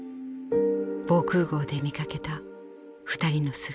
防空壕で見かけた２人の姿。